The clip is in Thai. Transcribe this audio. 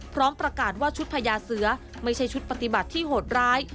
พร้อมประกาศว่าชุดพญาเสือไม่ใช่ชุดปฏิบัติที่โหดร้าย